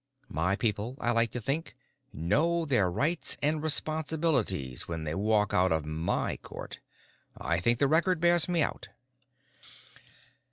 My people, I like to think, know their rights and responsibilities when they walk out of my court, and I think the record bears me out.